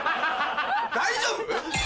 大丈夫？